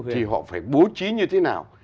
thì họ phải bố trí như thế nào